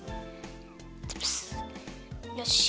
よし。